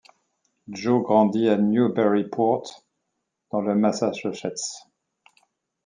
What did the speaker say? Joe grandit à Newburyport dans le Massachusetts.